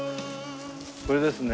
これですね